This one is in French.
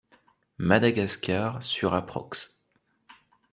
Madagascar - sur approx.